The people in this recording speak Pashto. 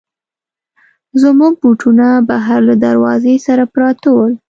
زموږ بوټونه بهر له دروازې سره پراته ول.